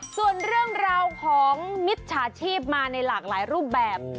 ส่วนเรื่องราวของมิจฉาชีพมาในหลากหลายรูปแบบ